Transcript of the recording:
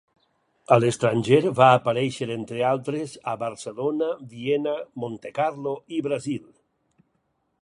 A l'estranger va aparèixer, entre altres, a Barcelona, Viena, Montecarlo i Brasil.